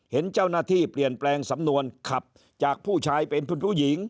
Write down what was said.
เห็นเจ้าหน้าที่เปลี่ยนแปลงสำนวนขับจากผู้ชายเป็นผู้หญิง